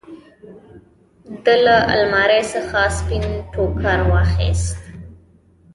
ده له المارۍ څخه سپين ټوکر واخېست.